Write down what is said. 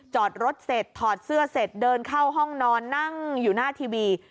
จอดรถเสร็จถอดเสื้อเสร็จเดินเข้าห้องนอนนั่งอยู่หน้าทีวี